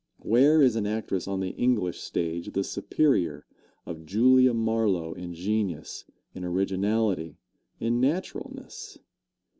Where is an actress on the English stage the superior of Julia Marlowe in genius, in originality, in naturalness?